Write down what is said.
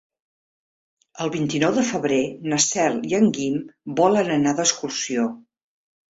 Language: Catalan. El vint-i-nou de febrer na Cel i en Guim volen anar d'excursió.